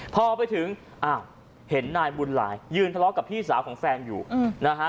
พอไปถึงอ้าวเห็นนายบุญหลายยืนทะเลาะกับพี่สาวของแฟนอยู่นะฮะ